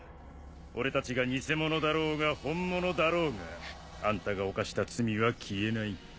俺たちが偽物だろうが本物だろうがあんたが犯した罪は消えない。